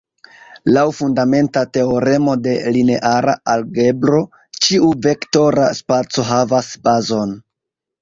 Laŭ fundamenta teoremo de lineara algebro, ĉiu vektora spaco havas bazon.